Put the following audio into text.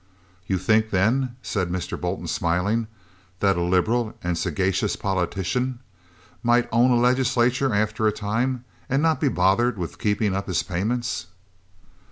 "You think then," said Mr. Bolton smiling, "that a liberal and sagacious politician might own a legislature after a time, and not be bothered with keeping up his payments?"